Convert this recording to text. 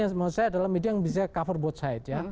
yang menurut saya adalah media yang bisa cover both sides